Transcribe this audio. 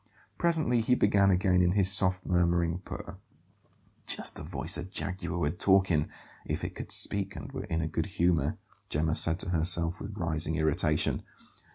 Presently he began again in his soft, murmuring purr ("Just the voice a jaguar would talk in, if it could speak and were in a good humour," Gemma said to herself with rising irritation).